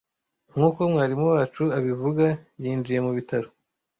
Nk’uko mwarimu wacu abivuga, yinjiye mu bitaro.